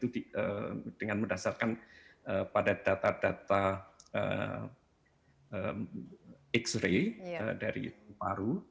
dengan mendasarkan pada data data x ray dari paru